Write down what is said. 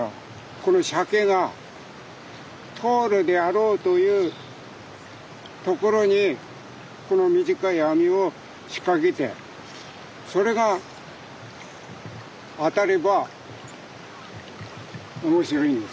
このシャケが通るであろうというところにこの短い網を仕掛けてそれが当たれば面白いんですよ。